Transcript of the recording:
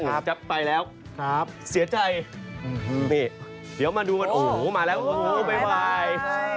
โอ้โหไปแล้วเสียใจพี่พี่เดี๋ยวมาดูมันโอ้โหมาแล้วโอ้โหบ๊ายบาย